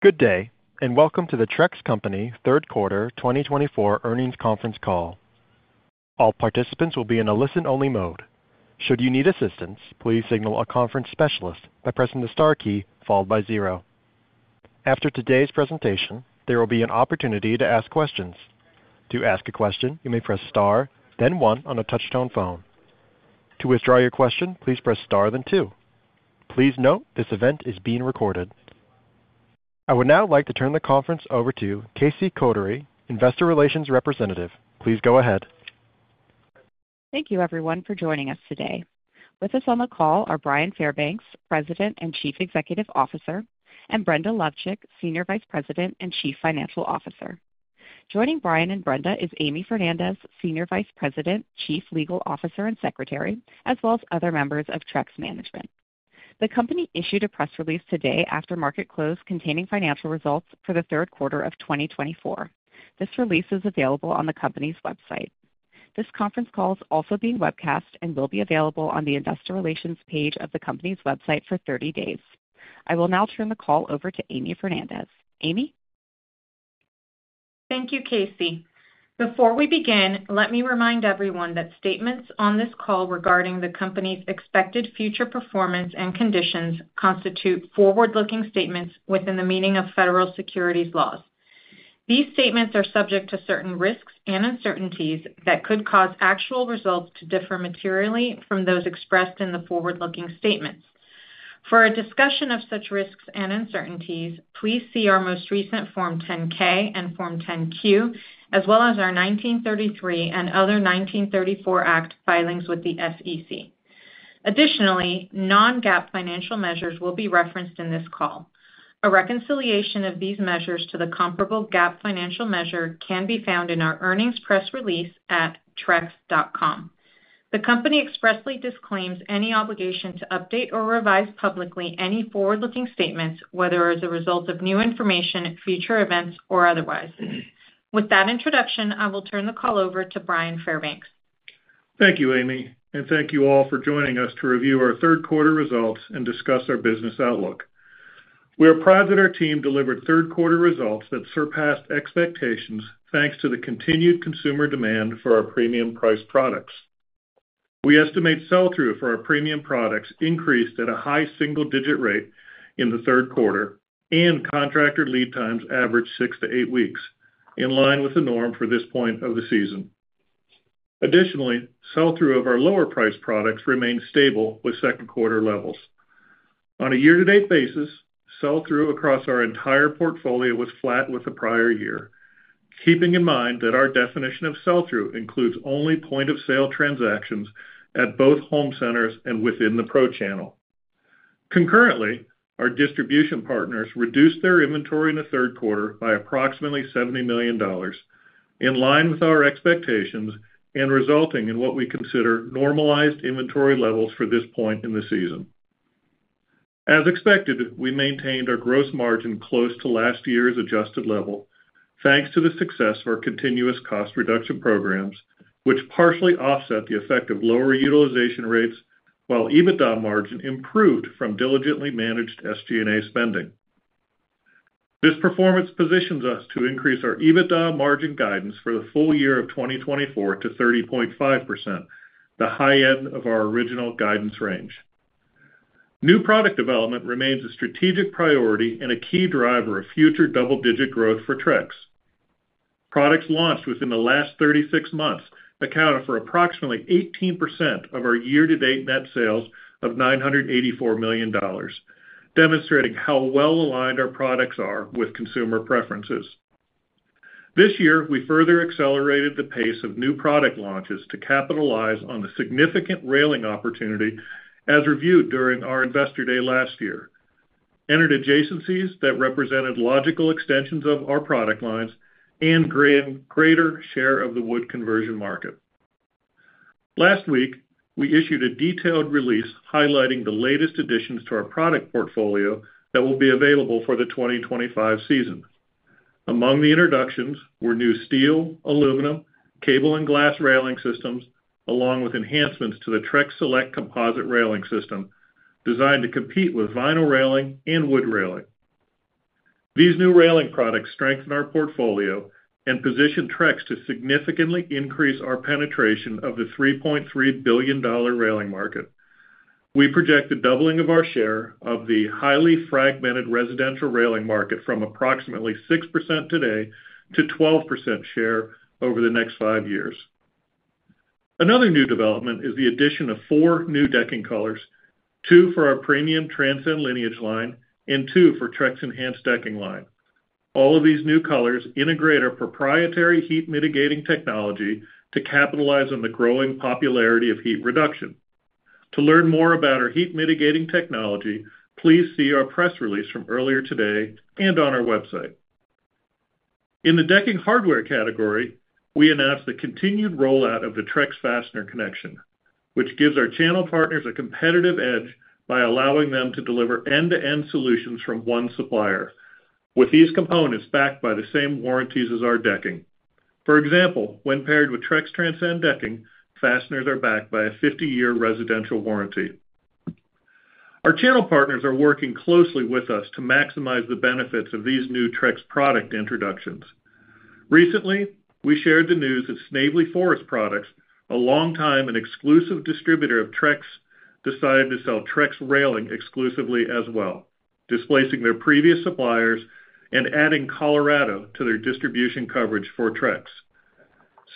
Good day, and welcome to the Trex Company third quarter twenty twenty-four earnings conference call. All participants will be in a listen-only mode. Should you need assistance, please signal a conference specialist by pressing the star key followed by zero. After today's presentation, there will be an opportunity to ask questions. To ask a question, you may press Star, then one on a touchtone phone. To withdraw your question, please press Star then two. Please note this event is being recorded. I would now like to turn the conference over to Casey Cotter, investor relations representative. Please go ahead. Thank you everyone for joining us today. With us on the call are Bryan Fairbanks, President and Chief Executive Officer, and Brenda Lovcik, Senior Vice President and Chief Financial Officer. Joining Bryan and Brenda is Amy Fernandez, Senior Vice President, Chief Legal Officer and Secretary, as well as other members of Trex Management. The company issued a press release today after market close, containing financial results for the third quarter of twenty twenty-four. This release is available on the company's website. This conference call is also being webcast and will be available on the investor relations page of the company's website for thirty days. I will now turn the call over to Amy Fernandez. Amy? Thank you, Casey. Before we begin, let me remind everyone that statements on this call regarding the company's expected future performance and conditions constitute forward-looking statements within the meaning of federal securities laws. These statements are subject to certain risks and uncertainties that could cause actual results to differ materially from those expressed in the forward-looking statements. For a discussion of such risks and uncertainties, please see our most recent Form 10-K and Form 10-Q, as well as our 1933 and other 1934 Act filings with the SEC. Additionally, non-GAAP financial measures will be referenced in this call. A reconciliation of these measures to the comparable GAAP financial measure can be found in our earnings press release at trex.com. The company expressly disclaims any obligation to update or revise publicly any forward-looking statements, whether as a result of new information, future events, or otherwise. With that introduction, I will turn the call over to Bryan Fairbanks. Thank you, Amy, and thank you all for joining us to review our third quarter results and discuss our business outlook. We are proud that our team delivered third-quarter results that surpassed expectations, thanks to the continued consumer demand for our premium priced products. We estimate sell-through for our premium products increased at a high single-digit rate in the third quarter, and contractor lead times averaged six-to-eight weeks, in line with the norm for this point of the season. Additionally, sell-through of our lower-priced products remained stable with second-quarter levels. On a year-to-date basis, sell-through across our entire portfolio was flat with the prior year. Keeping in mind that our definition of sell-through includes only point-of-sale transactions at both home centers and within the pro channel. Concurrently, our distribution partners reduced their inventory in the third quarter by approximately $70 million, in line with our expectations and resulting in what we consider normalized inventory levels for this point in the season. As expected, we maintained our gross margin close to last year's adjusted level, thanks to the success of our continuous cost reduction programs, which partially offset the effect of lower utilization rates, while EBITDA margin improved from diligently managed SG&A spending. This performance positions us to increase our EBITDA margin guidance for the full year of 2024 to 30.5%, the high end of our original guidance range. New product development remains a strategic priority and a key driver of future double-digit growth for Trex. Products launched within the last thirty-six months accounted for approximately 18% of our year-to-date net sales of $984 million, demonstrating how well-aligned our products are with consumer preferences. This year, we further accelerated the pace of new product launches to capitalize on the significant railing opportunity as reviewed during our Investor Day last year. We entered adjacencies that represented logical extensions of our product lines and greater share of the wood conversion market. Last week, we issued a detailed release highlighting the latest additions to our product portfolio that will be available for the 2025 season. Among the introductions were new steel, aluminum, cable, and glass railing systems, along with enhancements to the Trex Select composite railing system, designed to compete with vinyl railing and wood railing. These new railing products strengthen our portfolio and position Trex to significantly increase our penetration of the $3.3 billion railing market. We project a doubling of our share of the highly fragmented residential railing market from approximately 6% today to 12% share over the next five years. Another new development is the addition of four new decking colors, two for our premium Trex Transcend Lineage line and two for Trex Enhance Decking line. All of these new colors integrate our proprietary heat-mitigating technology to capitalize on the growing popularity of heat reduction. To learn more about our heat-mitigating technology, please see our press release from earlier today and on our website. In the decking hardware category, we announced the continued rollout of the Trex Fastener Collection, which gives our channel partners a competitive edge by allowing them to deliver end-to-end solutions from one supplier. With these components backed by the same warranties as our decking. For example, when paired with Trex Transcend decking, fasteners are backed by a 50-year residential warranty. Our channel partners are working closely with us to maximize the benefits of these new Trex product introductions. Recently, we shared the news that Snavely Forest Products, a long time and exclusive distributor of Trex, decided to sell Trex railing exclusively as well, displacing their previous suppliers and adding Colorado to their distribution coverage for Trex.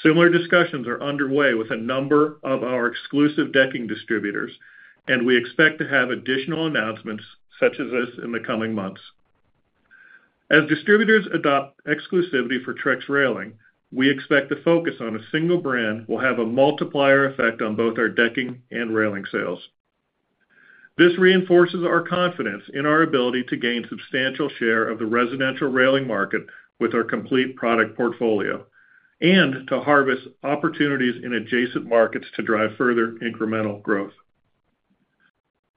Similar discussions are underway with a number of our exclusive decking distributors, and we expect to have additional announcements such as this in the coming months. As distributors adopt exclusivity for Trex Railing, we expect the focus on a single brand will have a multiplier effect on both our decking and railing sales. This reinforces our confidence in our ability to gain substantial share of the residential railing market with our complete product portfolio, and to harvest opportunities in adjacent markets to drive further incremental growth.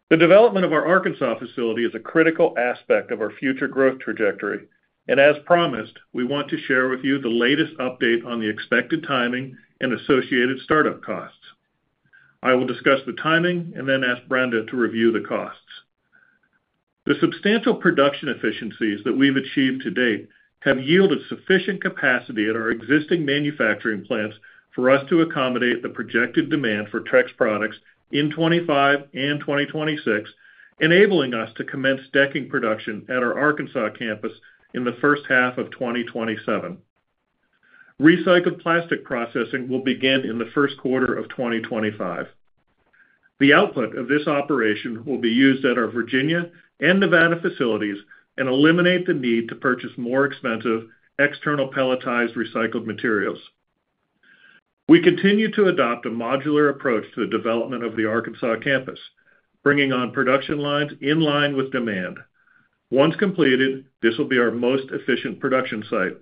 The development of our Arkansas facility is a critical aspect of our future growth trajectory, and as promised, we want to share with you the latest update on the expected timing and associated startup costs. I will discuss the timing and then ask Brenda to review the costs. The substantial production efficiencies that we've achieved to date have yielded sufficient capacity at our existing manufacturing plants for us to accommodate the projected demand for Trex products in 2025 and 2026, enabling us to commence decking production at our Arkansas campus in the first half of 2027. Recycled plastic processing will begin in the first quarter of 2025. The output of this operation will be used at our Virginia and Nevada facilities and eliminate the need to purchase more expensive, external pelletized, recycled materials. We continue to adopt a modular approach to the development of the Arkansas campus, bringing on production lines in line with demand. Once completed, this will be our most efficient production site,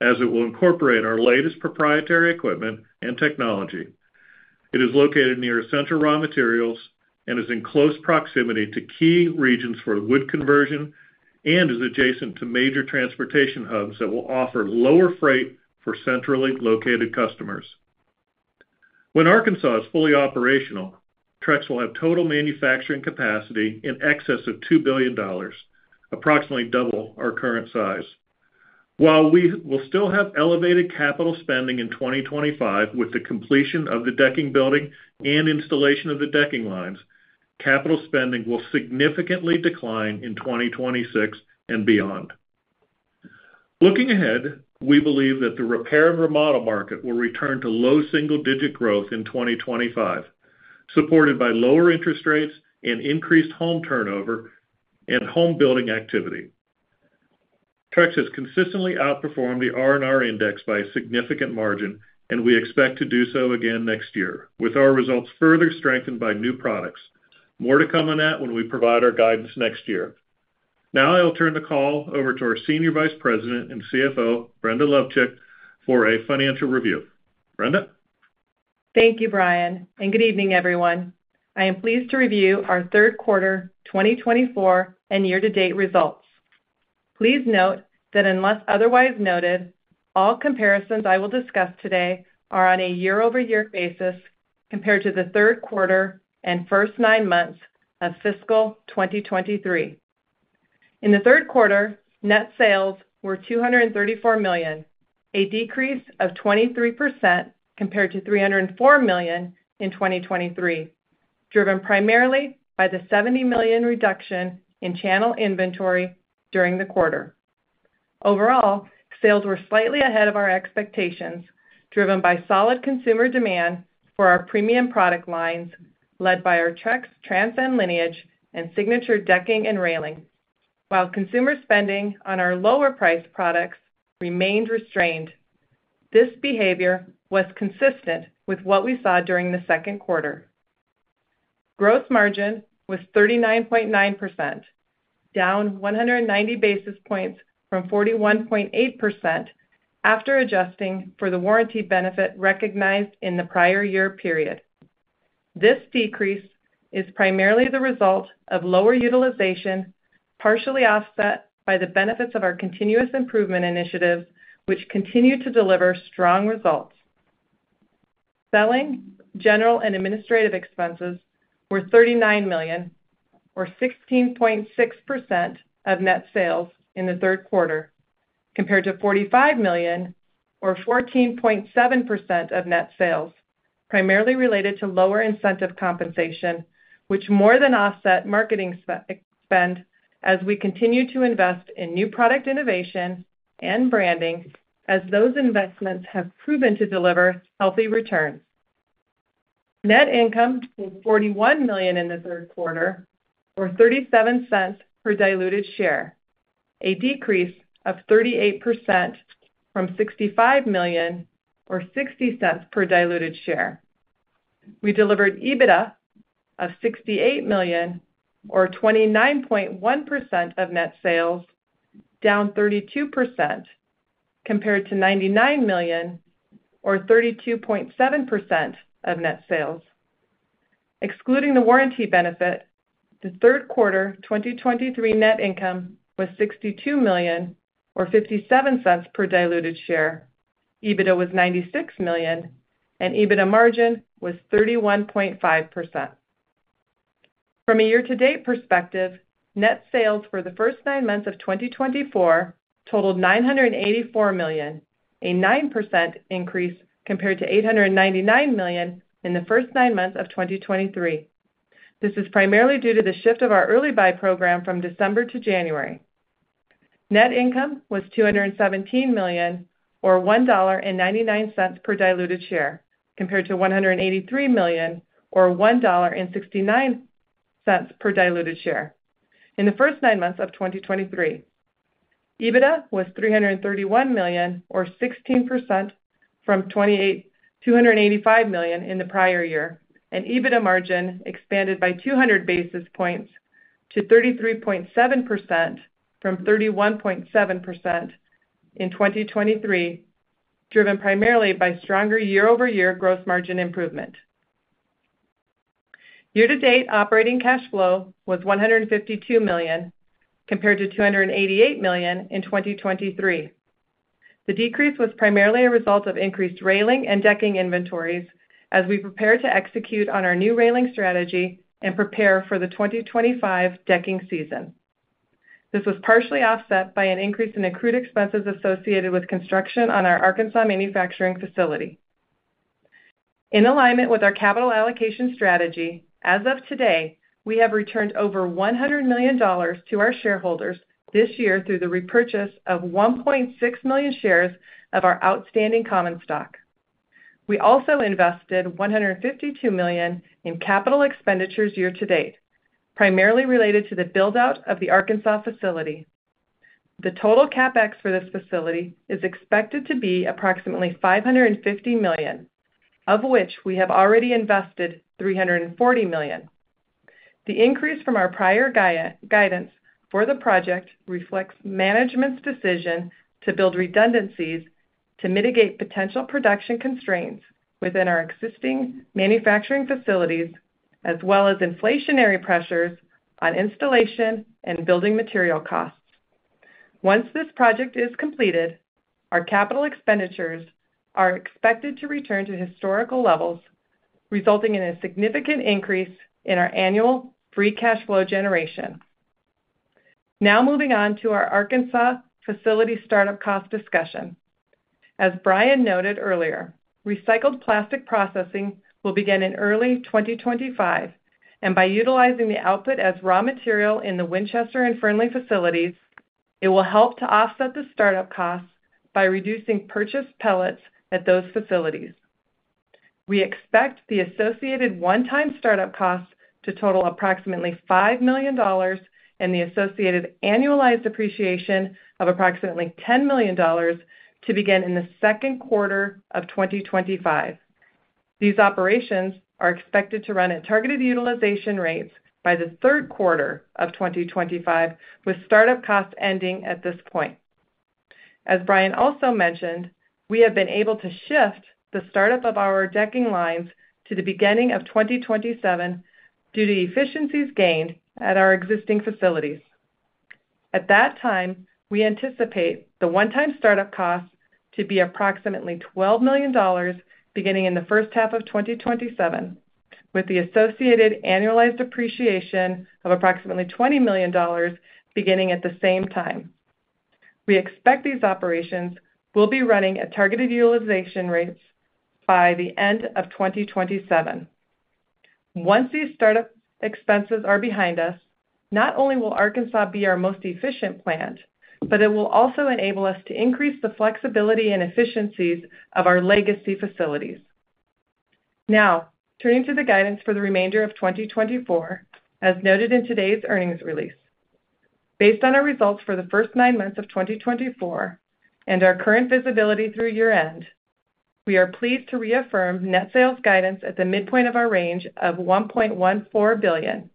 as it will incorporate our latest proprietary equipment and technology. It is located near central raw materials and is in close proximity to key regions for wood conversion and is adjacent to major transportation hubs that will offer lower freight for centrally located customers. When Arkansas is fully operational, Trex will have total manufacturing capacity in excess of $2 billion, approximately double our current size. While we will still have elevated capital spending in 2025, with the completion of the decking building and installation of the decking lines, capital spending will significantly decline in 2026 and beyond. Looking ahead, we believe that the repair and remodel market will return to low single-digit growth in 2025, supported by lower interest rates and increased home turnover and home building activity. Trex has consistently outperformed the R&R index by a significant margin, and we expect to do so again next year, with our results further strengthened by new products. More to come on that when we provide our guidance next year. Now I will turn the call over to our Senior Vice President and CFO, Brenda Lovcik, for a financial review. Brenda? Thank you, Bryan, and good evening, everyone. I am pleased to review our third quarter 2024 and year-to-date results. Please note that unless otherwise noted, all comparisons I will discuss today are on a year-over-year basis compared to the third quarter and first nine months of fiscal 2023. In the third quarter, net sales were $234 million, a decrease of 23% compared to $304 million in 2023, driven primarily by the $70 million reduction in channel inventory during the quarter. Overall, sales were slightly ahead of our expectations, driven by solid consumer demand for our premium product lines, led by our Trex Transcend Lineage and Signature decking and railing, while consumer spending on our lower-priced products remained restrained. This behavior was consistent with what we saw during the second quarter. Gross margin was 39.9%, down 190 basis points from 41.8% after adjusting for the warranty benefit recognized in the prior year period. This decrease is primarily the result of lower utilization, partially offset by the benefits of our continuous improvement initiatives, which continue to deliver strong results. Selling general and administrative expenses were $39 million, or 16.6% of net sales in the third quarter, compared to $45 million or 14.7% of net sales, primarily related to lower incentive compensation, which more than offset marketing spend as we continue to invest in new product innovation and branding, as those investments have proven to deliver healthy returns. Net income was $41 million in the third quarter, or $0.37 per diluted share, a decrease of 38% from $65 million or $0.60 per diluted share. We delivered EBITDA of $68 million, or 29.1% of net sales, down 32%, compared to $99 million or 32.7% of net sales. Excluding the warranty benefit, the third quarter 2023 net income was $62 million, or $0.57 per diluted share. EBITDA was $96 million, and EBITDA margin was 31.5%. From a year-to-date perspective, net sales for the first nine months of 2024 totaled $984 million, a 9% increase compared to $899 million in the first nine months of 2023. This is primarily due to the shift of our early buy program from December to January. Net income was $217 million, or $1.99 per diluted share, compared to $183 million, or $1.69 per diluted share in the first nine months of 2023. EBITDA was $331 million, or 16% from $285 million in the prior year, and EBITDA margin expanded by 200 basis points to 33.7% from 31.7% in 2023, driven primarily by stronger year-over-year gross margin improvement. Year-to-date operating cash flow was $152 million, compared to $288 million in 2023. The decrease was primarily a result of increased railing and decking inventories as we prepare to execute on our new railing strategy and prepare for the 2025 decking season. This was partially offset by an increase in accrued expenses associated with construction on our Arkansas manufacturing facility. In alignment with our capital allocation strategy, as of today, we have returned over $100 million to our shareholders this year through the repurchase of 1.6 million shares of our outstanding common stock. We also invested $152 million in capital expenditures year to date, primarily related to the build-out of the Arkansas facility. The total CapEx for this facility is expected to be approximately $550 million, of which we have already invested $340 million. The increase from our prior guidance for the project reflects management's decision to build redundancies to mitigate potential production constraints within our existing manufacturing facilities, as well as inflationary pressures on installation and building material costs. Once this project is completed, our capital expenditures are expected to return to historical levels, resulting in a significant increase in our annual free cash flow generation. Now moving on to our Arkansas facility startup cost discussion. As Bryan noted earlier, recycled plastic processing will begin in early twenty twenty-five, and by utilizing the output as raw material in the Winchester and Fernley facilities, it will help to offset the startup costs by reducing purchased pellets at those facilities. We expect the associated one-time startup costs to total approximately $5 million, and the associated annualized depreciation of approximately $10 million to begin in the second quarter of twenty twenty-five. These operations are expected to run at targeted utilization rates by the third quarter of twenty twenty-five, with startup costs ending at this point. As Bryan also mentioned, we have been able to shift the startup of our decking lines to the beginning of 2027 due to efficiencies gained at our existing facilities. At that time, we anticipate the one-time startup costs to be approximately $12 million, beginning in the first half of 2027, with the associated annualized depreciation of approximately $20 million beginning at the same time. We expect these operations will be running at targeted utilization rates by the end of 2027. Once these startup expenses are behind us, not only will Arkansas be our most efficient plant, but it will also enable us to increase the flexibility and efficiencies of our legacy facilities. Now, turning to the guidance for the remainder of 2024, as noted in today's earnings release. Based on our results for the first nine months of 2024 and our current visibility through year-end, we are pleased to reaffirm net sales guidance at the midpoint of our range of $1.14 billion,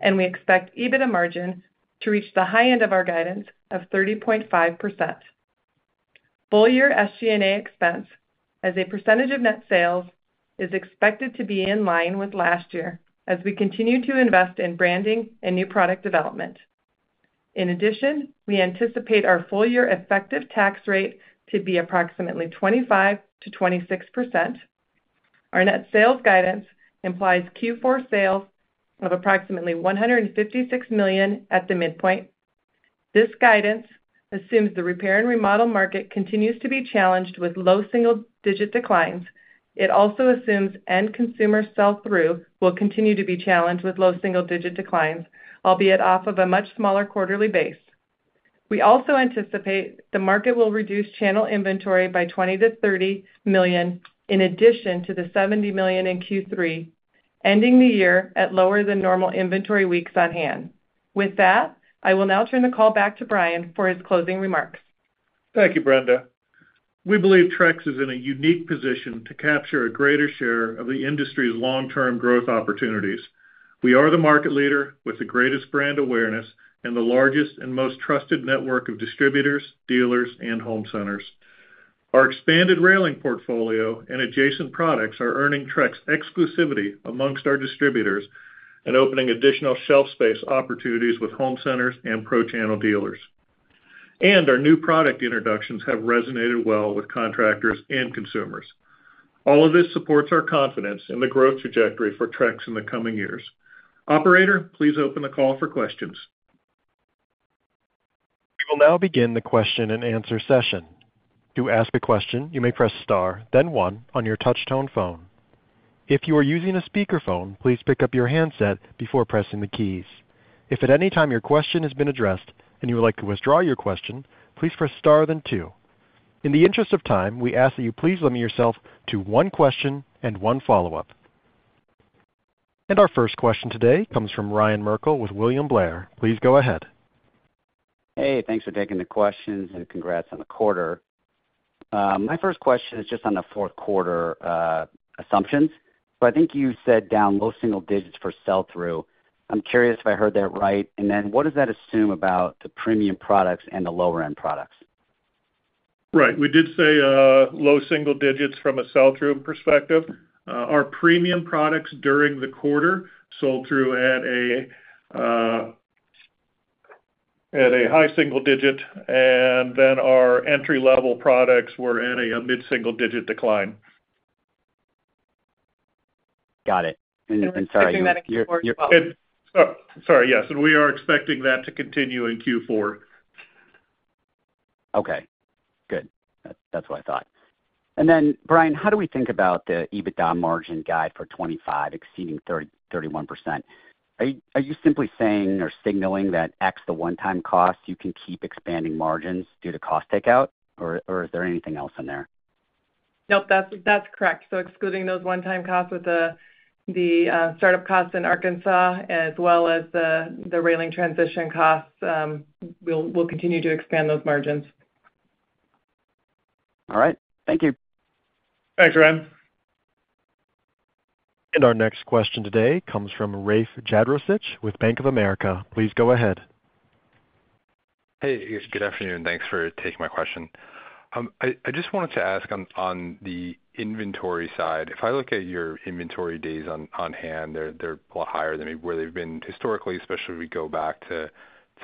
and we expect EBITDA margins to reach the high end of our guidance of 30.5%. Full-year SG&A expense as a percentage of net sales is expected to be in line with last year as we continue to invest in branding and new product development. In addition, we anticipate our full-year effective tax rate to be approximately 25%-26%. Our net sales guidance implies Q4 sales of approximately $156 million at the midpoint. This guidance assumes the repair and remodel market continues to be challenged with low single-digit declines. It also assumes end consumer sell-through will continue to be challenged with low single-digit declines, albeit off of a much smaller quarterly base. We also anticipate the market will reduce channel inventory by 20-30 million, in addition to the 70 million in Q3, ending the year at lower than normal inventory weeks on hand. With that, I will now turn the call back to Bryan for his closing remarks. Thank you, Brenda. We believe Trex is in a unique position to capture a greater share of the industry's long-term growth opportunities. We are the market leader with the greatest brand awareness and the largest and most trusted network of distributors, dealers, and home centers. Our expanded railing portfolio and adjacent products are earning Trex exclusivity among our distributors and opening additional shelf space opportunities with home centers and pro-channel dealers. And our new product introductions have resonated well with contractors and consumers. All of this supports our confidence in the growth trajectory for Trex in the coming years. Operator, please open the call for questions. We will now begin the question-and-answer session. To ask a question, you may press star, then one on your touch-tone phone. If you are using a speakerphone, please pick up your handset before pressing the keys. If at any time your question has been addressed and you would like to withdraw your question, please press star then two. In the interest of time, we ask that you please limit yourself to one question and one follow-up. And our first question today comes from Ryan Merkel with William Blair. Please go ahead. Hey, thanks for taking the questions, and congrats on the quarter. My first question is just on the fourth quarter, assumptions, but I think you said down low single digits for sell-through. I'm curious if I heard that right, and then what does that assume about the premium products and the lower-end products? Right. We did say low single digits from a sell-through perspective. Our premium products during the quarter sold through at a high single digit, and then our entry-level products were at a mid-single-digit decline. Got it. And sorry, your- Keeping that in fourth quarter. Oh, sorry. Yes, and we are expecting that to continue in Q4. Okay, good. That, that's what I thought. And then, Bryan, how do we think about the EBITDA margin guide for 2025 exceeding 30%-31%? Are you, are you simply saying or signaling that X, the one-time cost, you can keep expanding margins due to cost takeout, or, or is there anything else in there? Nope, that's, that's correct. So excluding those one-time costs with the, the startup costs in Arkansas, as well as the, the railing transition costs, we'll, we'll continue to expand those margins. All right. Thank you. Thanks, Ryan. Our next question today comes from Rafe Jadrosich with Bank of America. Please go ahead. Hey, good afternoon, and thanks for taking my question. I just wanted to ask on the inventory side, if I look at your inventory days on hand, they're a lot higher than maybe where they've been historically, especially we go back to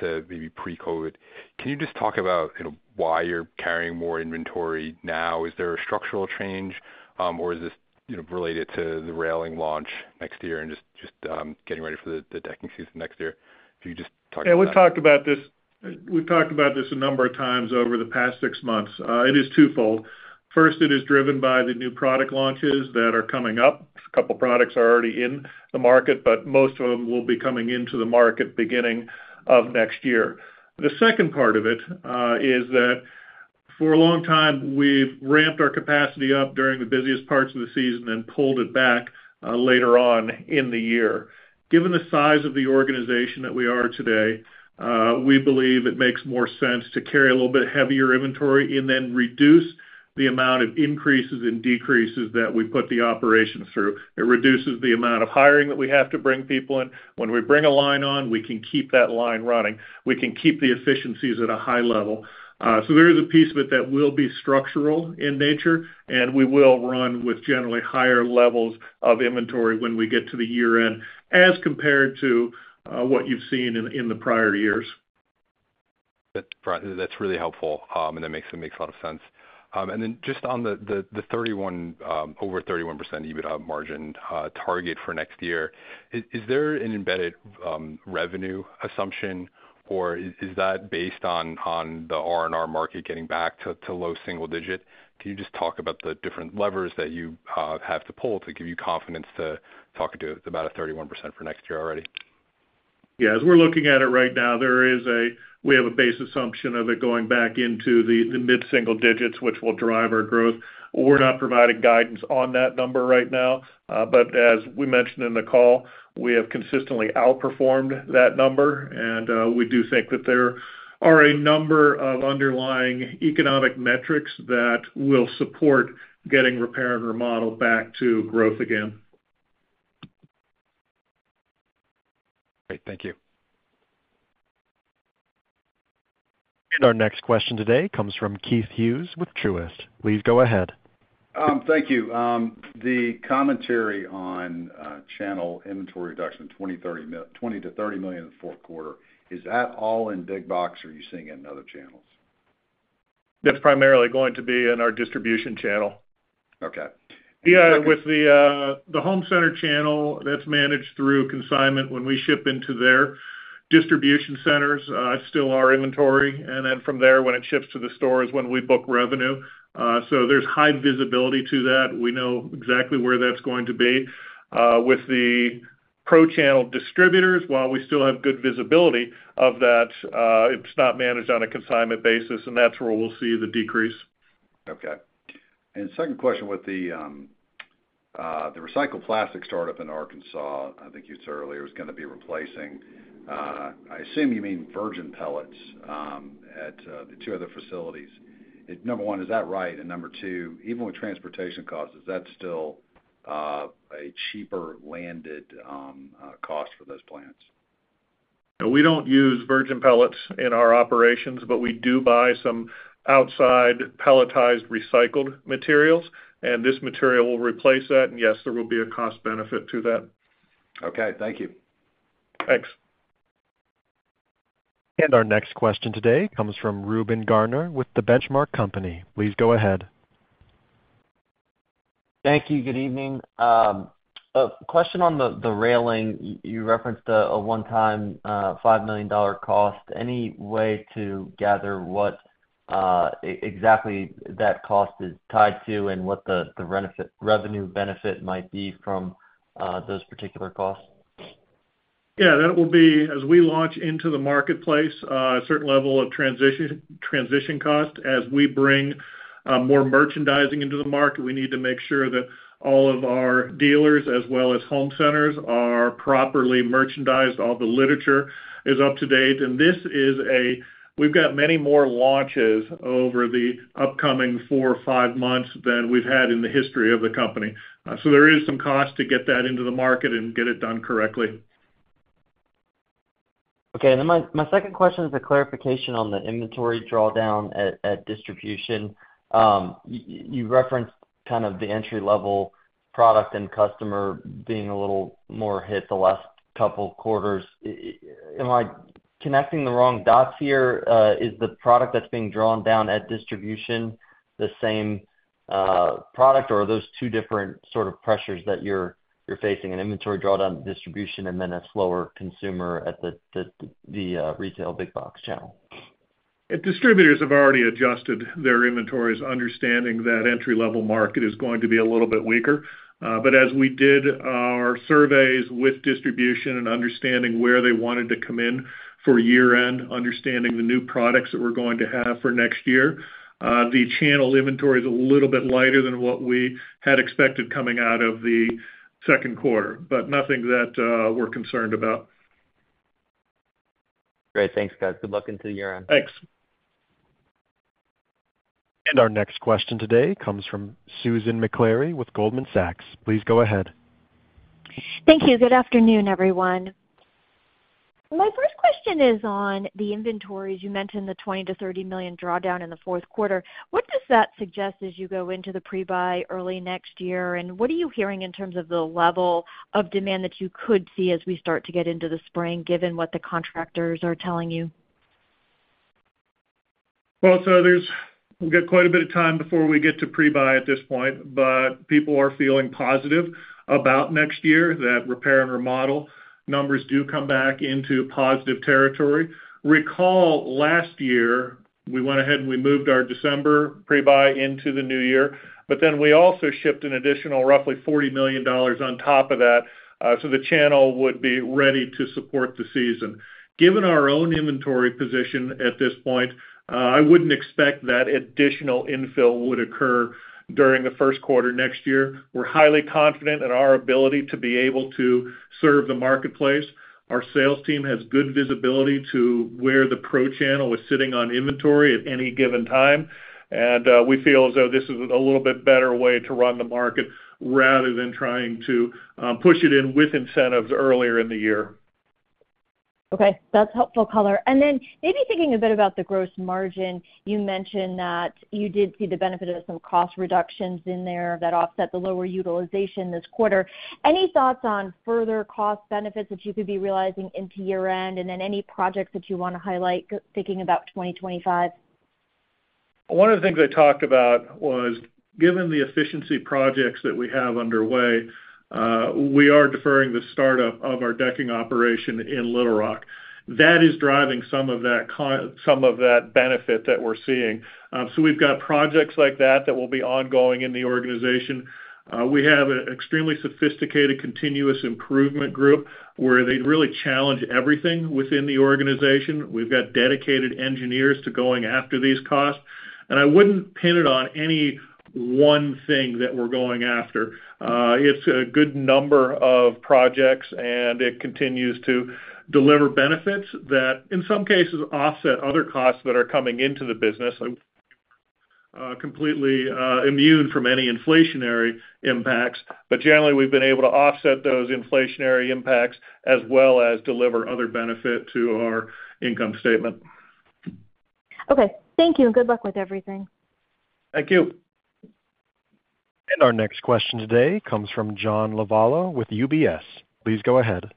maybe pre-COVID. Can you just talk about, you know, why you're carrying more inventory now? Is there a structural change, or is this, you know, related to the railing launch next year and just getting ready for the decking season next year? If you could just talk about that. Yeah, we've talked about this a number of times over the past six months. It is twofold. First, it is driven by the new product launches that are coming up. A couple of products are already in the market, but most of them will be coming into the market beginning of next year. The second part of it is that for a long time, we've ramped our capacity up during the busiest parts of the season and pulled it back later on in the year. Given the size of the organization that we are today, we believe it makes more sense to carry a little bit heavier inventory and then reduce the amount of increases and decreases that we put the operation through. It reduces the amount of hiring that we have to bring people in. When we bring a line on, we can keep that line running. We can keep the efficiencies at a high level. So there is a piece of it that will be structural in nature, and we will run with generally higher levels of inventory when we get to the year-end, as compared to what you've seen in the prior years. Bryan, that's really helpful, and that makes a lot of sense. And then just on the 31 over 31% EBITDA margin target for next year, is there an embedded revenue assumption, or is that based on the R&R market getting back to low single digit? Can you just talk about the different levers that you have to pull to give you confidence to talking to about a 31% for next year already? Yeah, as we're looking at it right now, there is a base assumption of it going back into the mid-single digits, which will drive our growth. We're not providing guidance on that number right now, but as we mentioned in the call, we have consistently outperformed that number, and we do think that there are a number of underlying economic metrics that will support getting repair and remodel back to growth again. Great. Thank you. And our next question today comes from Keith Hughes with Truist. Please go ahead. Thank you. The commentary on channel inventory reduction, $20 million-$30 million in the fourth quarter, is that all in big box, or are you seeing it in other channels? That's primarily going to be in our distribution channel. Okay. Yeah, with the home center channel, that's managed through consignment when we ship into their distribution centers. It's still our inventory, and then from there, when it ships to the store is when we book revenue. So, there's high visibility to that. We know exactly where that's going to be. With the pro-channel distributors, while we still have good visibility of that, it's not managed on a consignment basis, and that's where we'll see the decrease. Okay. And second question, with the recycled plastic startup in Arkansas, I think you said earlier, is gonna be replacing, I assume you mean virgin pellets, at the two other facilities. Number one, is that right? And number two, even with transportation costs, is that still a cheaper landed cost for those plants?... No, we don't use virgin pellets in our operations, but we do buy some outside pelletized recycled materials, and this material will replace that. And yes, there will be a cost benefit to that. Okay, thank you. Thanks. Our next question today comes from Reuben Garner with The Benchmark Company. Please go ahead. Thank you. Good evening. A question on the railing. You referenced a one-time $5 million cost. Any way to gather what exactly that cost is tied to and what the revenue benefit might be from those particular costs? Yeah, that will be as we launch into the marketplace a certain level of transition cost. As we bring more merchandising into the market, we need to make sure that all of our dealers, as well as home centers, are properly merchandised, all the literature is up to date. And this is a we've got many more launches over the upcoming four or five months than we've had in the history of the company. So there is some cost to get that into the market and get it done correctly. Okay. And then my second question is a clarification on the inventory drawdown at distribution. You referenced kind of the entry-level product and customer being a little more hit the last couple of quarters. Am I connecting the wrong dots here? Is the product that's being drawn down at distribution the same product or are those two different sort of pressures that you're facing, an inventory drawdown distribution and then a slower consumer at the retail big box channel? Distributors have already adjusted their inventories, understanding that entry-level market is going to be a little bit weaker, but as we did our surveys with distribution and understanding where they wanted to come in for year-end, understanding the new products that we're going to have for next year, the channel inventory is a little bit lighter than what we had expected coming out of the second quarter, but nothing that we're concerned about. Great. Thanks, guys. Good luck into the year-end. Thanks. Our next question today comes from Susan Maklari with Goldman Sachs. Please go ahead. Thank you. Good afternoon, everyone. My first question is on the inventories. You mentioned the $20 million-$30 million drawdown in the fourth quarter. What does that suggest as you go into the pre-buy early next year? And what are you hearing in terms of the level of demand that you could see as we start to get into the spring, given what the contractors are telling you? So there's quite a bit of time before we get to pre-buy at this point, but people are feeling positive about next year, that repair and remodel numbers do come back into positive territory. Recall last year, we went ahead, and we moved our December pre-buy into the new year, but then we also shipped an additional roughly $40 million on top of that, so the channel would be ready to support the season. Given our own inventory position at this point, I wouldn't expect that additional infill would occur during the first quarter next year. We're highly confident in our ability to be able to serve the marketplace. Our sales team has good visibility to where the pro channel is sitting on inventory at any given time, and we feel as though this is a little bit better way to run the market rather than trying to push it in with incentives earlier in the year. Okay, that's helpful color. And then maybe thinking a bit about the gross margin, you mentioned that you did see the benefit of some cost reductions in there that offset the lower utilization this quarter. Any thoughts on further cost benefits that you could be realizing into year-end? And then any projects that you want to highlight, thinking about twenty twenty-five? One of the things I talked about was, given the efficiency projects that we have underway, we are deferring the startup of our decking operation in Little Rock. That is driving some of that benefit that we're seeing, so we've got projects like that that will be ongoing in the organization. We have an extremely sophisticated continuous improvement group, where they really challenge everything within the organization. We've got dedicated engineers to going after these costs, and I wouldn't pin it on any one thing that we're going after. It's a good number of projects, and it continues to deliver benefits that, in some cases, offset other costs that are coming into the business, completely immune from any inflationary impacts, but generally, we've been able to offset those inflationary impacts as well as deliver other benefit to our income statement. Okay. Thank you, and good luck with everything. Thank you. And our next question today comes from John Lovallo with UBS. Please go ahead.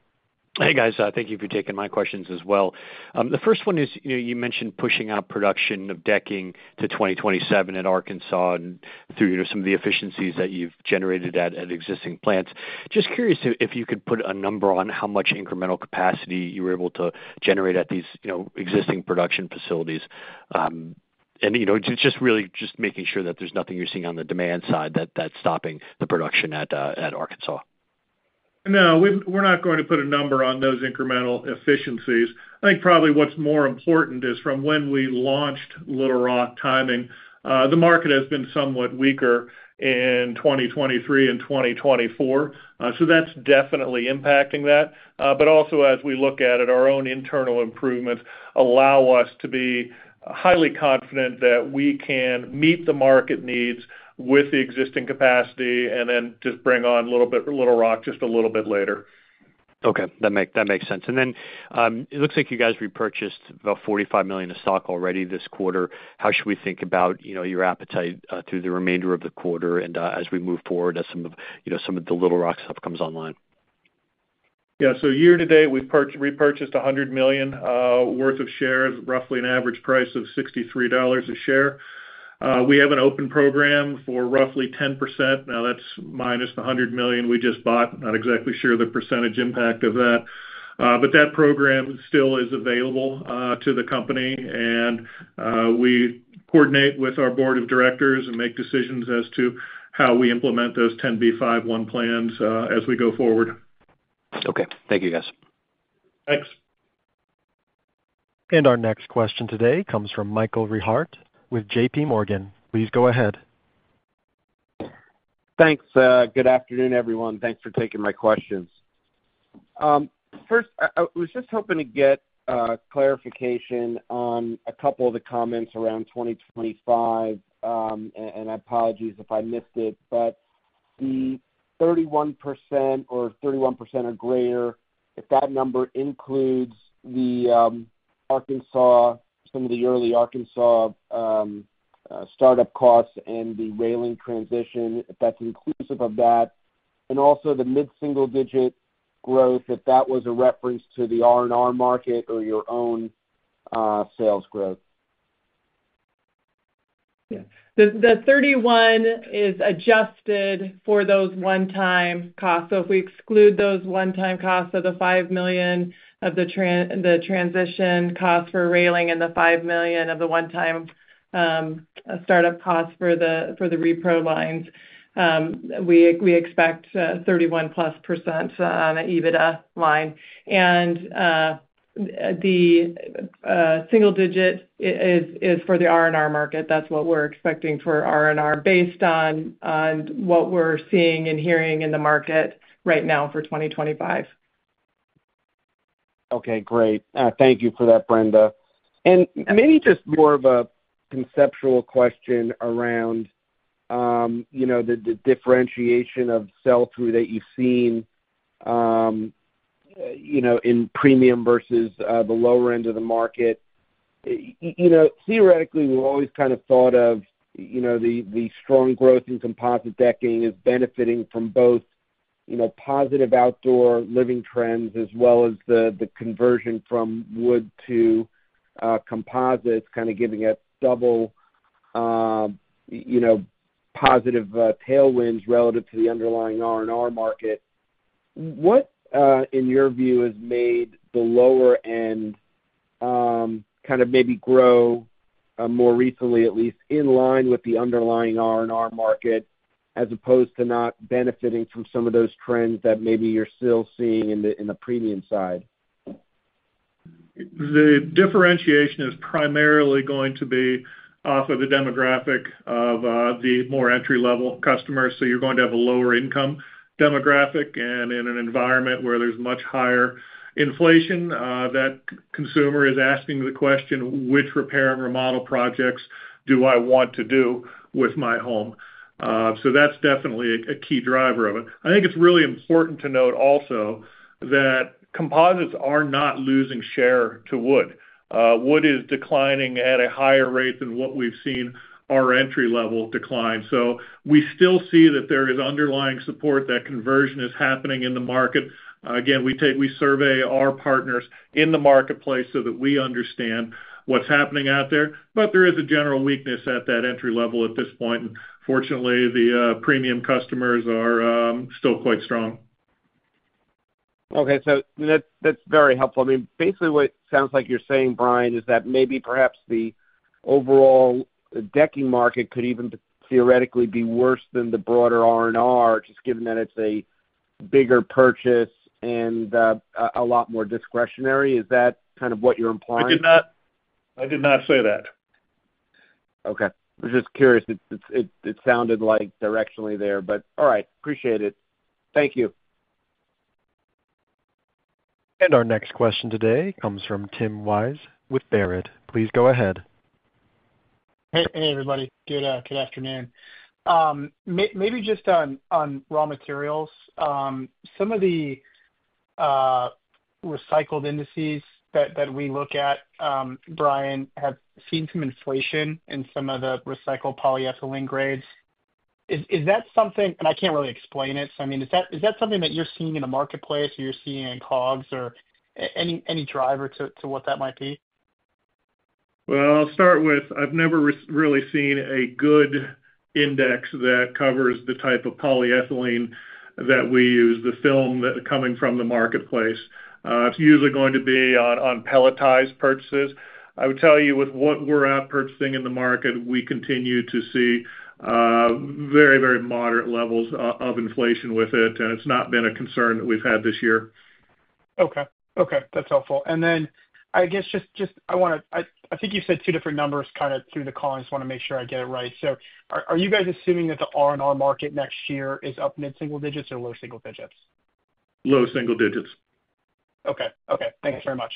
Hey, guys. Thank you for taking my questions as well. The first one is, you know, you mentioned pushing out production of decking to twenty twenty-seven at Arkansas and through some of the efficiencies that you've generated at existing plants. Just curious to if you could put a number on how much incremental capacity you were able to generate at these, you know, existing production facilities. And, you know, just really making sure that there's nothing you're seeing on the demand side, that that's stopping the production at Arkansas. No, we're not going to put a number on those incremental efficiencies. I think probably what's more important is from when we launched Little Rock timing, the market has been somewhat weaker in 2023 and 2024. So that's definitely impacting that. But also, as we look at it, our own internal improvements allow us to be highly confident that we can meet the market needs with the existing capacity and then just bring on a little bit, Little Rock, just a little bit later.... Okay, that makes sense. And then, it looks like you guys repurchased about $45 million of stock already this quarter. How should we think about, you know, your appetite, through the remainder of the quarter and, as we move forward, as some of, you know, some of the Little Rock stuff comes online? Yeah. So year to date, we've repurchased $100 million worth of shares, roughly an average price of $63 a share. We have an open program for roughly 10%. Now, that's minus the $100 million we just bought. Not exactly sure the percentage impact of that. But that program still is available to the company, and we coordinate with our board of directors and make decisions as to how we implement those 10b5-1 plans as we go forward. Okay. Thank you, guys. Thanks. Our next question today comes from Michael Rehaut with J.P. Morgan. Please go ahead. Thanks. Good afternoon, everyone. Thanks for taking my questions. First, I was just hoping to get clarification on a couple of the comments around 2025. And I apologies if I missed it, but the 31% or 31% or greater, if that number includes the Arkansas, some of the early Arkansas startup costs and the railing transition, if that's inclusive of that, and also the mid-single digit growth, if that was a reference to the R&R market or your own sales growth. Yeah. The thirty-one is adjusted for those one-time costs. So if we exclude those one-time costs, so the $5 million of the transition costs for railing and the $5 million of the one-time startup costs for the repro lines, we expect 31 plus % on an EBITDA line. And the single digit is for the R&R market. That's what we're expecting for R&R, based on what we're seeing and hearing in the market right now for 2025. Okay, great. Thank you for that, Brenda. And maybe just more of a conceptual question around, you know, the differentiation of sell-through that you've seen, you know, in premium versus, the lower end of the market. You know, theoretically, we've always kind of thought of, you know, the strong growth in composite decking as benefiting from both, you know, positive outdoor living trends, as well as the conversion from wood to, composites, kind of giving it double, you know, positive, tailwinds relative to the underlying R&R market. What, in your view, has made the lower end, kind of maybe grow, more recently, at least in line with the underlying R&R market, as opposed to not benefiting from some of those trends that maybe you're still seeing in the premium side? The differentiation is primarily going to be off of the demographic of the more entry-level customers. So you're going to have a lower income demographic, and in an environment where there's much higher inflation, that consumer is asking the question, "Which repair and remodel projects do I want to do with my home?" So that's definitely a key driver of it. I think it's really important to note also that composites are not losing share to wood. Wood is declining at a higher rate than what we've seen our entry-level decline. So we still see that there is underlying support, that conversion is happening in the market. Again, we survey our partners in the marketplace so that we understand what's happening out there. But there is a general weakness at that entry level at this point, and fortunately, the premium customers are still quite strong. Okay, so that, that's very helpful. I mean, basically what it sounds like you're saying, Bryan, is that maybe perhaps the overall decking market could even theoretically be worse than the broader R&R, just given that it's a bigger purchase and a lot more discretionary. Is that kind of what you're implying? I did not, I did not say that. Okay. I was just curious. It sounded like directionally there, but all right. Appreciate it. Thank you. Our next question today comes from Tim Wojs with Baird. Please go ahead. Hey, hey everybody. Good, good afternoon. Maybe just on raw materials, some of the recycled indices that we look at, Bryan, have seen some inflation in some of the recycled polyethylene grades. Is that something... And I can't really explain it, so I mean, is that something that you're seeing in the marketplace or you're seeing in COGS or any driver to what that might be? I'll start with, I've never really seen a good index that covers the type of polyethylene that we use, the film that's coming from the marketplace. It's usually going to be on, on pelletized purchases. I would tell you with what we're purchasing in the market, we continue to see very, very moderate levels of inflation with it, and it's not been a concern that we've had this year. Okay. Okay, that's helpful. And then, I guess, just, I wanna. I think you said two different numbers kind of through the call. I just wanna make sure I get it right. So are you guys assuming that the R&R market next year is up mid-single digits or low single digits? Low single digits. Okay. Okay, thank you very much....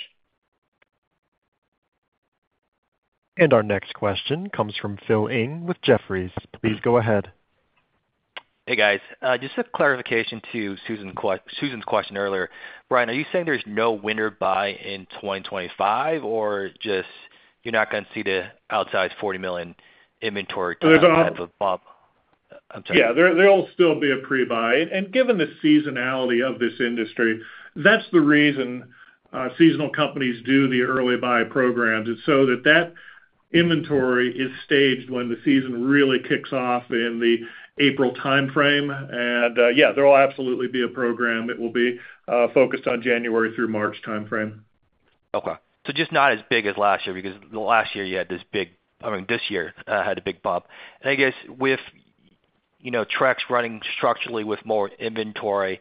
And our next question comes from Phil Ng with Jefferies. Please go ahead. Hey, guys. Just a clarification to Susan's question earlier. Bryan, are you saying there's no winter buy in 2025, or just you're not gonna see the outsized $40 million inventory kind of a bump? I'm sorry. Yeah, there will still be a pre-buy. And given the seasonality of this industry, that's the reason seasonal companies do the early buy programs, is so that that inventory is staged when the season really kicks off in the April timeframe. And yeah, there will absolutely be a program that will be focused on January through March timeframe. Okay. So just not as big as last year, because the last year you had this big - I mean, this year had a big bump. And I guess with, you know, Trex running structurally with more inventory,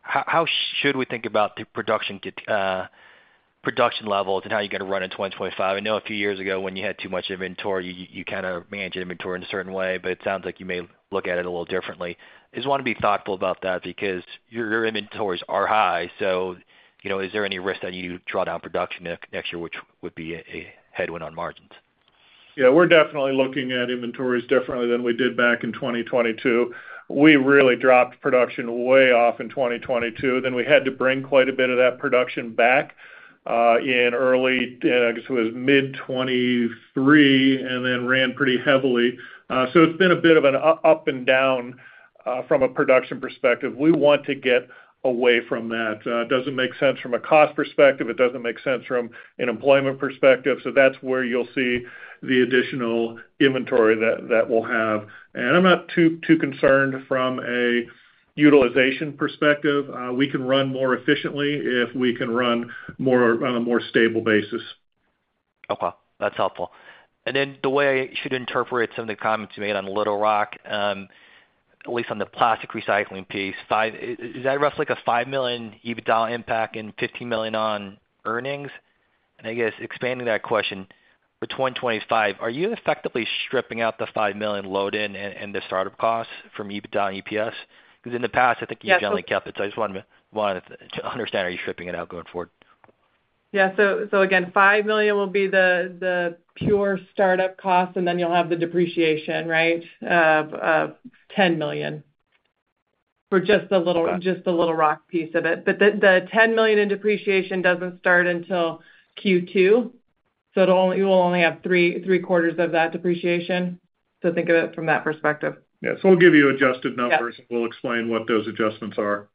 how should we think about the production levels and how you're gonna run in 2025? I know a few years ago, when you had too much inventory, you kind of managed inventory in a certain way, but it sounds like you may look at it a little differently. I just wanna be thoughtful about that because your inventories are high, so, you know, is there any risk that you draw down production next year, which would be a headwind on margins? Yeah, we're definitely looking at inventories differently than we did back in 2022. We really dropped production way off in 2022, then we had to bring quite a bit of that production back in early, I guess it was mid-2023, and then ran pretty heavily. So it's been a bit of an up and down from a production perspective. We want to get away from that. It doesn't make sense from a cost perspective, it doesn't make sense from an employment perspective, so that's where you'll see the additional inventory that we'll have. And I'm not too concerned from a utilization perspective. We can run more efficiently if we can run more on a more stable basis. Okay, that's helpful. Then the way I should interpret some of the comments you made on Little Rock, at least on the plastic recycling piece, $5 million EBITDA impact and $15 million on earnings? And I guess expanding that question, for 2025, are you effectively stripping out the $5 million load-in and the startup costs from EBITDA and EPS? Because in the past, I think you definitely kept it. So I just wanted to understand, are you stripping it out going forward? Yeah. So again, $5 million will be the pure startup cost, and then you'll have the depreciation, right? $10 million for just the Little Rock. Got it. Just the Little Rock piece of it. But the ten million in depreciation doesn't start until Q2, so it'll only, you will only have three quarters of that depreciation. So think of it from that perspective. Yeah, so we'll give you adjusted numbers- Yeah. We'll explain what those adjustments are.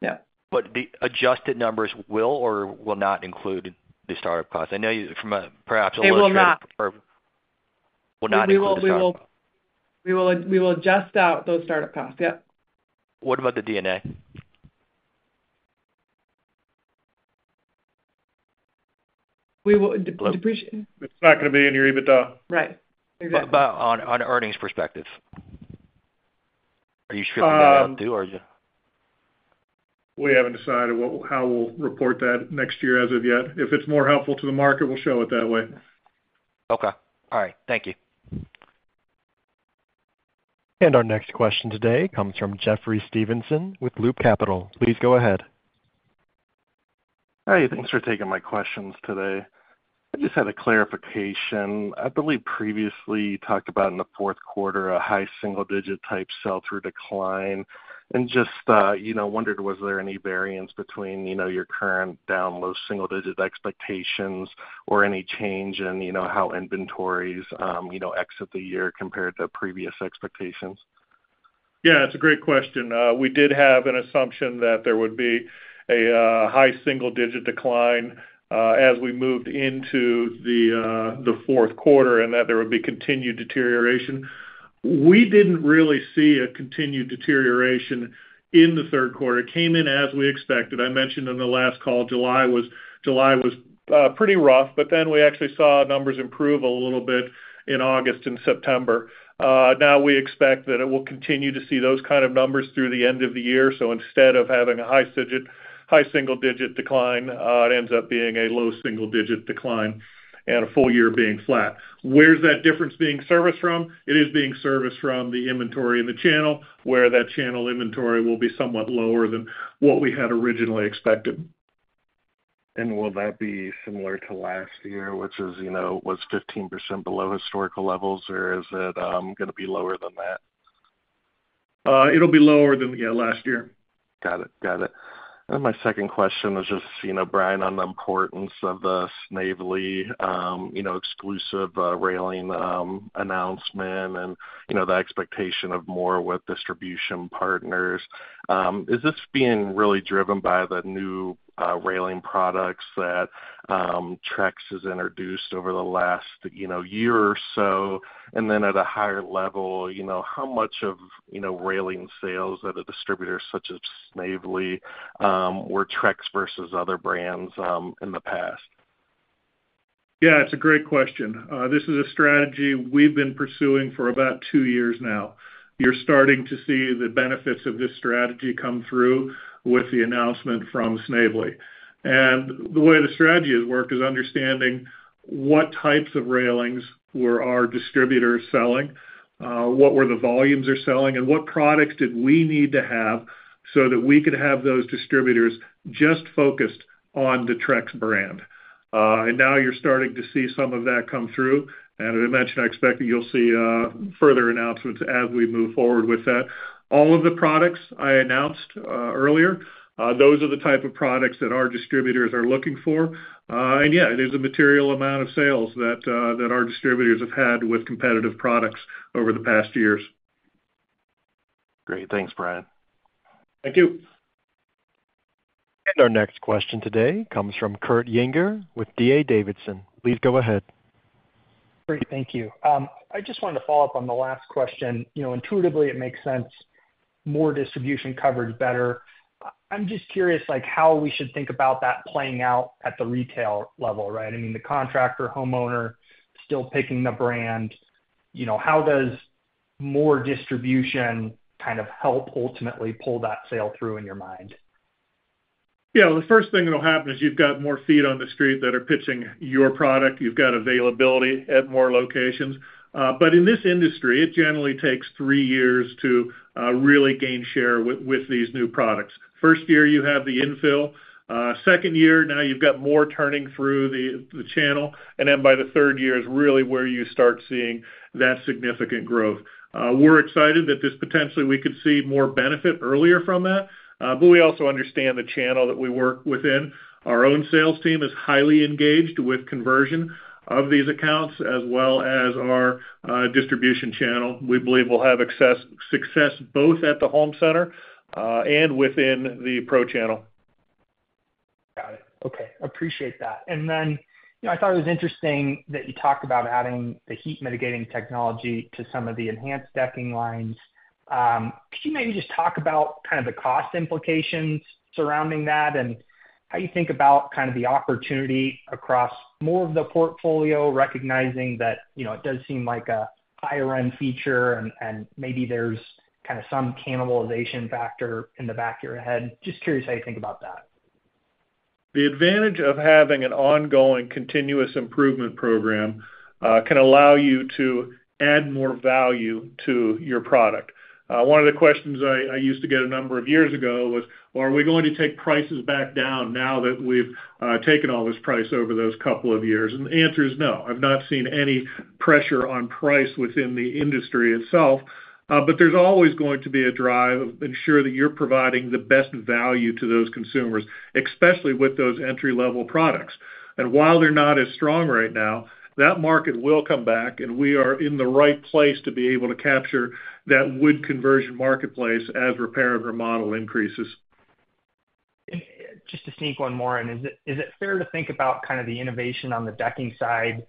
Yeah. But the adjusted numbers will or will not include the startup costs? I know from a, perhaps- They will not. Will not include the startup costs. We will adjust out those startup costs. Yep. What about the D&A? We will depre- It's not gonna be in your EBITDA. Right, exactly. But on earnings perspective, are you stripping that out too, or are you? We haven't decided how we'll report that next year as of yet. If it's more helpful to the market, we'll show it that way. Okay. All right. Thank you. Our next question today comes from Jeffrey Stevenson with Loop Capital. Please go ahead. Hi, thanks for taking my questions today. I just had a clarification. I believe previously, you talked about in the fourth quarter, a high single digit type sell-through decline, and just, you know, wondered was there any variance between, you know, your current down low single digit expectations or any change in, you know, how inventories, you know, exit the year compared to previous expectations? Yeah, it's a great question. We did have an assumption that there would be a high single digit decline as we moved into the fourth quarter, and that there would be continued deterioration. We didn't really see a continued deterioration in the third quarter. It came in as we expected. I mentioned in the last call, July was pretty rough, but then we actually saw numbers improve a little bit in August and September. Now we expect that it will continue to see those kind of numbers through the end of the year. So instead of having a high single digit decline, it ends up being a low single digit decline and a full year being flat. Where's that difference being sourced from? It is being serviced from the inventory in the channel, where that channel inventory will be somewhat lower than what we had originally expected. Will that be similar to last year, which is, you know, was 15% below historical levels, or is it gonna be lower than that? It'll be lower than, yeah, last year. Got it. Got it. And my second question is just, you know, Bryan, on the importance of the Snavely, you know, exclusive, railing, announcement and, you know, the expectation of more with distribution partners. Is this being really driven by the new, railing products that, Trex has introduced over the last, you know, year or so? And then at a higher level, you know, how much of, you know, railing sales at a distributor such as Snavely, were Trex versus other brands, in the past? Yeah, it's a great question. This is a strategy we've been pursuing for about two years now. You're starting to see the benefits of this strategy come through with the announcement from Snavely. And the way the strategy has worked is understanding what types of railings were our distributors selling? What were the volumes they're selling, and what products did we need to have so that we could have those distributors just focused on the Trex brand? And now you're starting to see some of that come through, and as I mentioned, I expect that you'll see further announcements as we move forward with that. All of the products I announced earlier, those are the type of products that our distributors are looking for. And yeah, it is a material amount of sales that our distributors have had with competitive products over the past years. Great. Thanks, Bryan. Thank you. Our next question today comes from Kurt Yinger with D.A. Davidson. Please go ahead. Great, thank you. I just wanted to follow up on the last question. You know, intuitively, it makes sense, more distribution coverage better. I'm just curious, like, how we should think about that playing out at the retail level, right? I mean, the contractor, homeowner, still picking the brand. You know, how does more distribution kind of help ultimately pull that sale through, in your mind? Yeah, the first thing that'll happen is you've got more feet on the street that are pitching your product. You've got availability at more locations, but in this industry, it generally takes three years to really gain share with these new products. First year, you have the infill, second year, now you've got more sell-through the channel, and then by the third year is really where you start seeing that significant growth. We're excited that this potentially we could see more benefit earlier from that, but we also understand the channel that we work within. Our own sales team is highly engaged with conversion of these accounts as well as our distribution channel. We believe we'll have success both at the home center and within the pro channel. Got it. Okay, appreciate that. And then, you know, I thought it was interesting that you talked about adding the heat-mitigating technology to some of the Enhance decking lines. Could you maybe just talk about kind of the cost implications surrounding that, and how you think about kind of the opportunity across more of the portfolio, recognizing that, you know, it does seem like a higher-end feature, and, and maybe there's kind of some cannibalization factor in the back of your head? Just curious how you think about that. The advantage of having an ongoing continuous improvement program can allow you to add more value to your product. One of the questions I used to get a number of years ago was, Well, are we going to take prices back down now that we've taken all this price over those couple of years? And the answer is no. I've not seen any pressure on price within the industry itself, but there's always going to be a drive to ensure that you're providing the best value to those consumers, especially with those entry-level products. And while they're not as strong right now, that market will come back, and we are in the right place to be able to capture that wood conversion marketplace as repair and remodel increases. Just to sneak one more in. Is it, is it fair to think about kind of the innovation on the decking side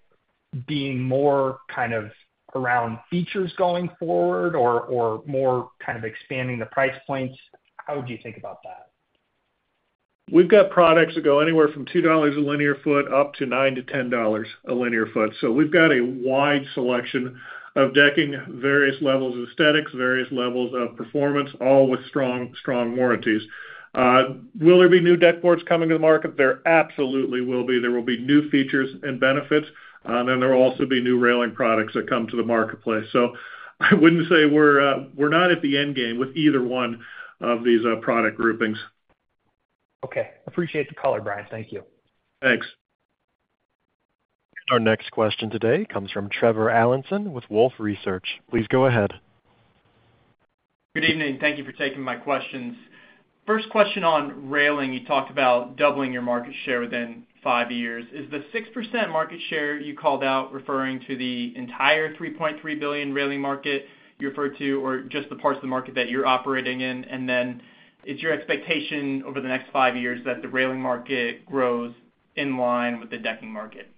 being more kind of around features going forward or, or more kind of expanding the price points? How would you think about that? We've got products that go anywhere from $2 a linear foot up to $9-$10 a linear foot. So we've got a wide selection of decking, various levels of aesthetics, various levels of performance, all with strong, strong warranties. Will there be new deck boards coming to the market? There absolutely will be. There will be new features and benefits, and there will also be new railing products that come to the marketplace. So I wouldn't say we're not at the end game with either one of these, product groupings. Okay. Appreciate the color, Bryan. Thank you. Thanks. Our next question today comes from Trevor Allinson with Wolfe Research. Please go ahead. Good evening, thank you for taking my questions. First question, on railing, you talked about doubling your market share within five years. Is the 6% market share you called out referring to the entire $3.3 billion railing market you referred to, or just the parts of the market that you're operating in? And then, is your expectation over the next five years that the railing market grows in line with the decking market?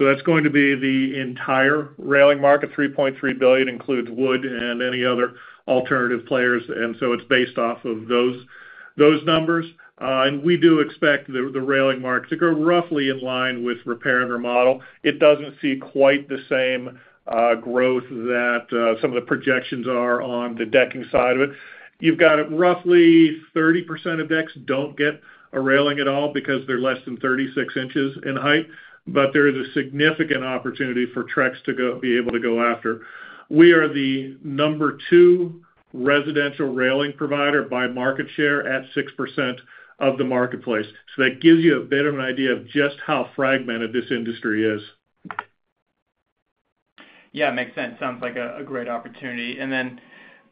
That's going to be the entire railing market. $3.3 billion includes wood and any other alternative players, and so it's based off of those numbers. We do expect the railing market to grow roughly in line with repair and remodel. It doesn't see quite the same growth that some of the projections are on the decking side of it. You've got roughly 30% of decks don't get a railing at all because they're less than 36 inches in height, but there is a significant opportunity for Trex to be able to go after. We are the number two residential railing provider by market share at 6% of the marketplace. That gives you a bit of an idea of just how fragmented this industry is. Yeah, makes sense. Sounds like a great opportunity. And then,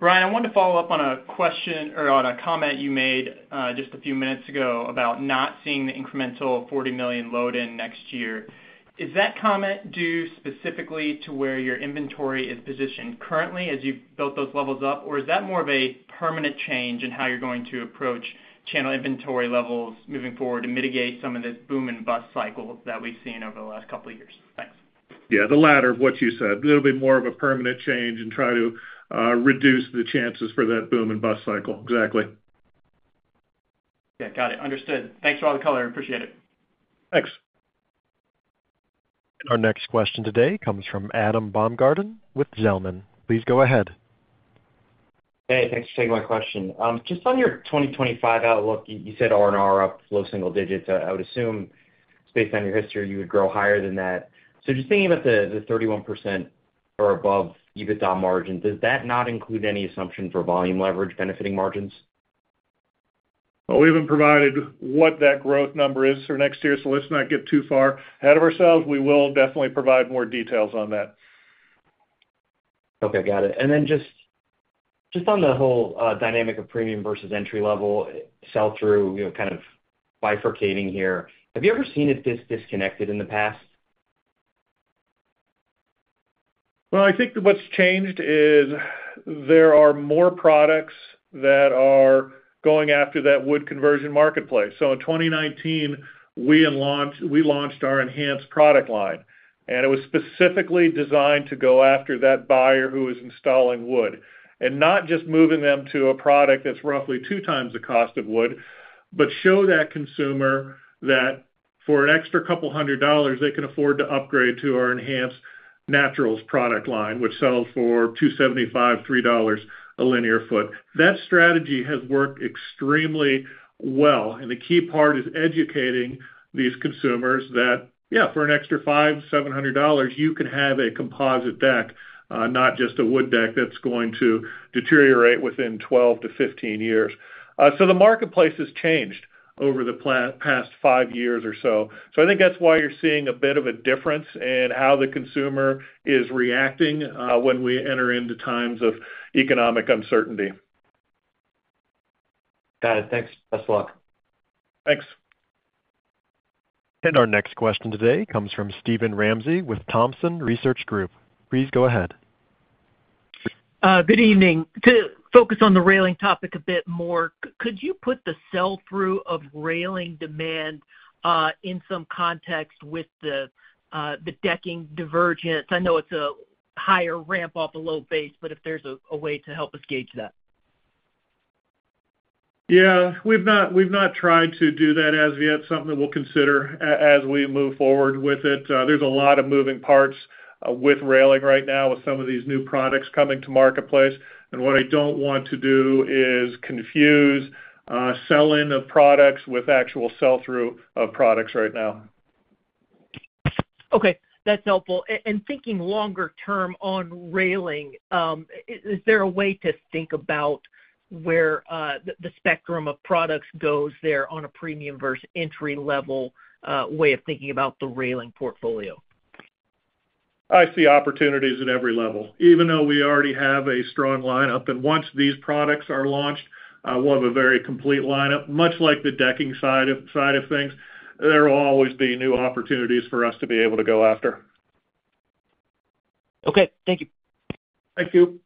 Bryan, I wanted to follow up on a question or on a comment you made, just a few minutes ago about not seeing the incremental 40 million load-in next year. Is that comment due specifically to where your inventory is positioned currently as you've built those levels up? Or is that more of a permanent change in how you're going to approach channel inventory levels moving forward to mitigate some of this boom and bust cycle that we've seen over the last couple of years? Thanks. Yeah, the latter of what you said. It'll be more of a permanent change and try to reduce the chances for that boom and bust cycle. Exactly. Yeah, got it. Understood. Thanks for all the color. Appreciate it. Thanks. Our next question today comes from Adam Baumgarten with Zelman. Please go ahead. Hey, thanks for taking my question. Just on your 2025 outlook, you said R&R up low single digits. I would assume, just based on your history, you would grow higher than that. So just thinking about the 31% or above EBITDA margin, does that not include any assumption for volume leverage benefiting margins? We haven't provided what that growth number is for next year, so let's not get too far ahead of ourselves. We will definitely provide more details on that. Okay, got it. And then just on the whole dynamic of premium versus entry-level sell-through, you know, kind of bifurcating here, have you ever seen it this disconnected in the past? I think that what's changed is there are more products that are going after that wood conversion marketplace. So in 2019, we launched our Enhance product line, and it was specifically designed to go after that buyer who was installing wood, and not just moving them to a product that's roughly two times the cost of wood, but show that consumer that for an extra couple hundred dollars, they can afford to upgrade to our Enhance Naturals product line, which sells for $2.75-$3 a linear foot. That strategy has worked extremely well, and the key part is educating these consumers that, yeah, for an extra $500-$700, you can have a composite deck, not just a wood deck that's going to deteriorate within 12-15 years. So the marketplace has changed over the past five years or so. So I think that's why you're seeing a bit of a difference in how the consumer is reacting, when we enter into times of economic uncertainty. Got it. Thanks. Best of luck. Thanks. Our next question today comes from Steven Ramsey with Thompson Research Group. Please go ahead. Good evening. To focus on the railing topic a bit more, could you put the sell-through of railing demand in some context with the decking divergence? I know it's a higher ramp off a low base, but if there's a way to help us gauge that? Yeah. We've not tried to do that as yet. Something that we'll consider as we move forward with it. There's a lot of moving parts with railing right now with some of these new products coming to marketplace, and what I don't want to do is confuse sell-in of products with actual sell-through of products right now. Okay, that's helpful. And thinking longer term on railing, is there a way to think about where the spectrum of products goes there on a premium versus entry-level way of thinking about the railing portfolio? I see opportunities at every level, even though we already have a strong lineup, and once these products are launched, we'll have a very complete lineup. Much like the decking side of things, there will always be new opportunities for us to be able to go after. Okay, thank you. Thank you.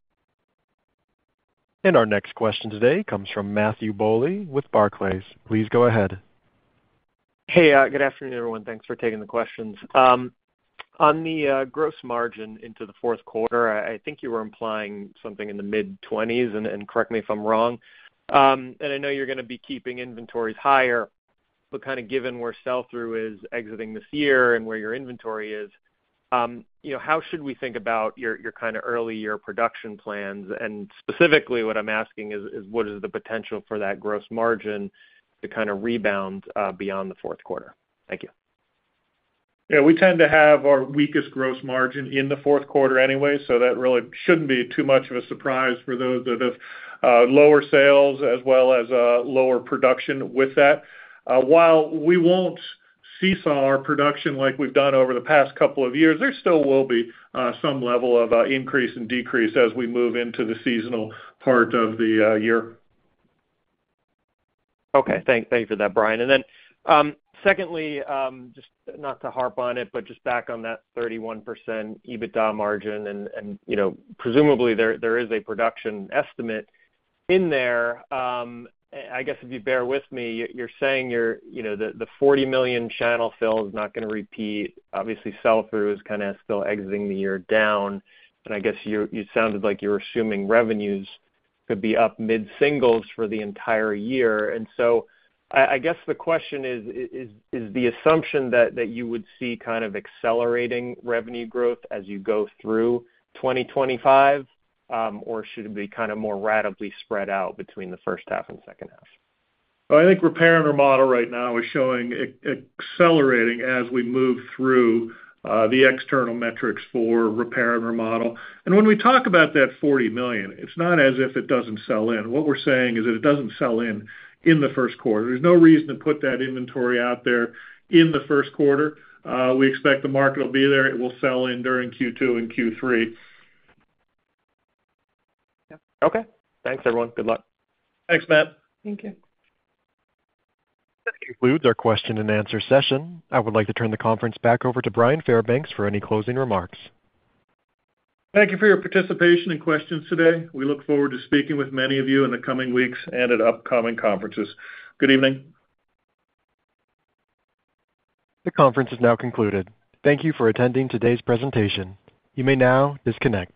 Our next question today comes from Matthew Bouley with Barclays. Please go ahead. Hey, good afternoon, everyone. Thanks for taking the questions. On the gross margin into the fourth quarter, I think you were implying something in the mid-twenties, and correct me if I'm wrong, and I know you're gonna be keeping inventories higher, but kind of given where sell-through is exiting this year and where your inventory is, you know, how should we think about your kind of early year production plans? And specifically, what I'm asking is what is the potential for that gross margin to kind of rebound beyond the fourth quarter? Thank you. Yeah, we tend to have our weakest gross margin in the fourth quarter anyway, so that really shouldn't be too much of a surprise for those that have lower sales as well as lower production with that. While we won't seesaw our production like we've done over the past couple of years, there still will be some level of increase and decrease as we move into the seasonal part of the year. Okay. Thank you for that, Bryan. And then, secondly, just not to harp on it, but just back on that 31% EBITDA margin, and, you know, presumably there is a production estimate in there. I guess if you bear with me, you're saying you're... You know, the $40 million channel fill is not gonna repeat. Obviously, sell-through is kinda still exiting the year down, and I guess you sounded like you're assuming revenues could be up mid-singles for the entire year. And so I guess the question is, is the assumption that you would see kind of accelerating revenue growth as you go through 2025, or should it be kind of more ratably spread out between the first half and second half? I think repair and remodel right now is showing accelerating as we move through the external metrics for repair and remodel. And when we talk about that $40 million, it's not as if it doesn't sell in. What we're saying is that it doesn't sell in in the first quarter. There's no reason to put that inventory out there in the first quarter. We expect the market will be there. It will sell in during Q2 and Q3. Okay. Thanks, everyone. Good luck. Thanks, Matt. Thank you. That concludes our question and answer session. I would like to turn the conference back over to Bryan Fairbanks for any closing remarks. Thank you for your participation and questions today. We look forward to speaking with many of you in the coming weeks and at upcoming conferences. Good evening. The conference is now concluded. Thank you for attending today's presentation. You may now disconnect.